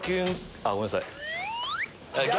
あっごめんなさい。